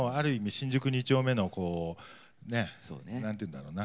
新宿２丁目のこうね何て言うんだろうな。